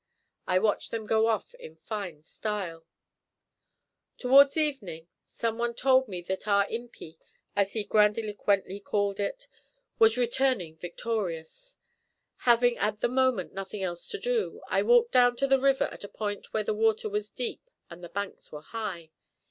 I watched them go off in fine style. Towards evening some one told me that our impi, as he grandiloquently called it, was returning victorious. Having at the moment nothing else to do, I walked down to the river at a point where the water was deep and the banks were high.